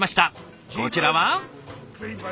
こちらは？